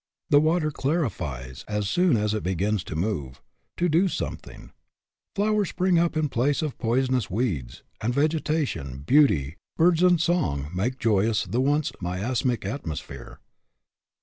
The water clarifies as soon AN OVERMASTERING PURPOSE 113 as it begins to move, to do something ; flowers spring up in place of poisonous weeds; and vegetation, beauty, birds and song make joyous the once miasmic atmosphere.